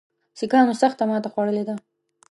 سیکهانو سخته ماته خوړلې ده.